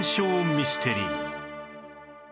ミステリー